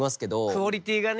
クオリティーがね。